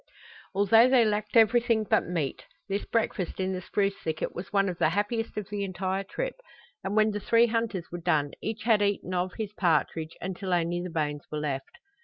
Although they lacked everything but meat, this breakfast in the spruce thicket was one of the happiest of the entire trip, and when the three hunters were done each had eaten of his partridge until only the bones were left.